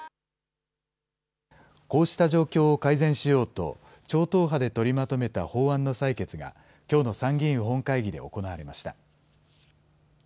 こうした状況を改善しようと、超党派で取りまとめた法案の採決が、きょうの参議院本会議で行われました。